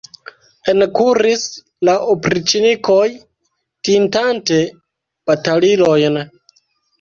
Enkuris la opriĉnikoj, tintante batalilojn.